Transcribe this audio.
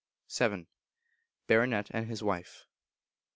vii. _Baronet and His Wife.